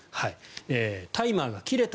タイマーが切れた